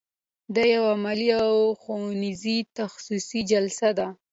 دا یوه علمي او ښوونیزه تخصصي جلسه ده.